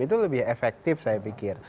itu lebih efektif saya pikir